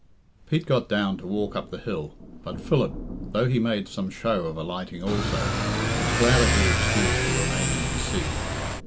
Pete got down to walk up the hill, but Philip, though he made some show of alighting also, was glad of the excuse to remain in his seat.